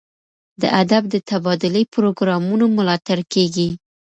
د ادب د تبادلې پروګرامونو ملاتړ کیږي.